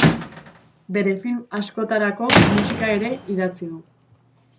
Bere film askotarako musika ere idatzi du.